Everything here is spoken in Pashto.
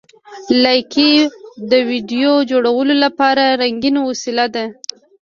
لایکي د ویډیو جوړولو لپاره رنګین وسیله ده.